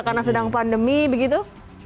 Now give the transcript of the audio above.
karena sedang pandemi begitu